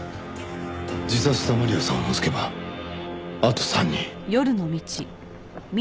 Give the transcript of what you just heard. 自殺したマリアさんを除けばあと３人。